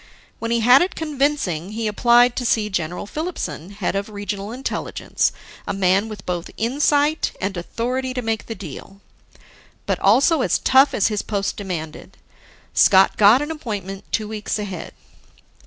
When he had it convincing, he applied to see General Filipson, head of Regional Intelligence, a man with both insight and authority to make the deal but also as tough as his post demanded. Scott got an appointment two weeks ahead.